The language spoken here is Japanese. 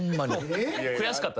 悔しかったっす。